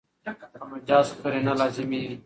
په مجاز کښي قرینه لازمي يي.